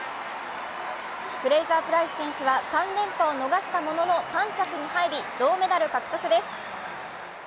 フレイザープライス選手は３連覇を逃したものの、３着に入り、銅メダル獲得です。